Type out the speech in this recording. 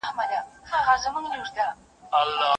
د خرڅ خوراک د برابرولو لپاره